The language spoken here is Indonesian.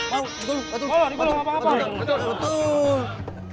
mau digulung apa apa